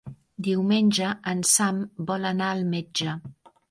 Diumenge en Sam vol anar al metge.